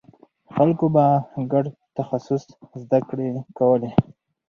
خلکو به ګډ تخصص زدکړې کولې.